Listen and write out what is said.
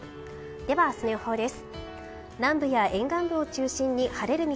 では、明日の予報です。